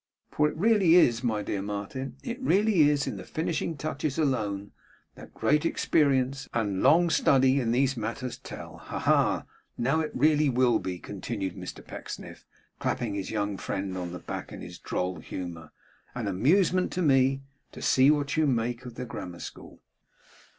For it really is, my dear Martin, it really is in the finishing touches alone, that great experience and long study in these matters tell. Ha, ha, ha! Now it really will be,' continued Mr Pecksniff, clapping his young friend on the back in his droll humour, 'an amusement to me, to see what you make of the grammar school.